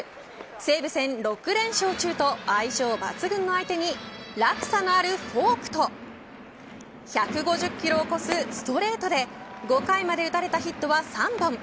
西武戦６連勝中と相性抜群の相手に落差のあるフォークと１５０キロを超すストレートで５回まで打たれたヒットは３本。